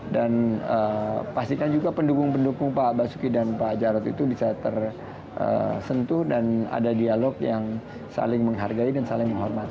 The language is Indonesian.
dan pastikan juga pendukung pendukung pak basuki dan pak jarod itu bisa tersentuh dan ada dialog yang saling menghargai dan saling menghormati